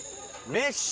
メッシ。